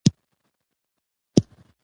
ب ډله دې د چنګیز د یرغل ولایتونه په ګوته کړي.